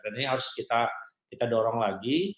dan ini harus kita dorong lagi